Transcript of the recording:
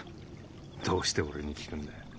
どうして俺に聞くんだ？